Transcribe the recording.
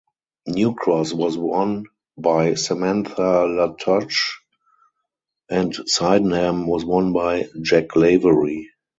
New Cross was won by Samantha Latouche and Sydenham was won by Jack Lavery.